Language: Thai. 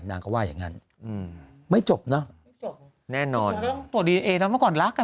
นางก็ว่าอย่างงั้นอืมไม่จบเนอะไม่จบแน่นอนต้องตรวจดีเอนเอนะเมื่อก่อนรักอ่ะ